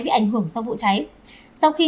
bị ảnh hưởng sau vụ cháy sau khi